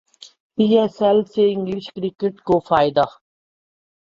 پی S L سے English cricket کو فائدہ